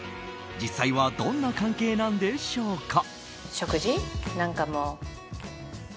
実際はどんな関係なんでしょうか。